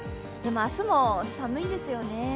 明日も寒いんですよね。